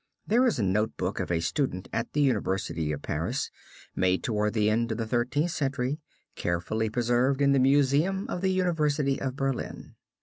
There is a note book of a student at the University of Paris, made toward the end of the Thirteenth Century, carefully preserved in the Museum of the University of Berlin.